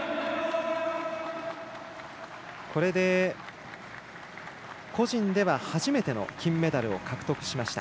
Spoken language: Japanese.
これで、個人では初めての金メダルを獲得しました。